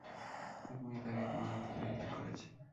এক মিনিট আগেই তোমার আত্মা দেহ ত্যাগ করেছে।